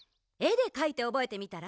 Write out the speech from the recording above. でかいておぼえてみたら？